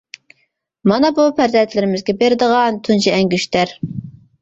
مانا بۇ پەرزەنتلىرىمىزگە بېرىدىغان تۇنجى ئەڭگۈشتەر.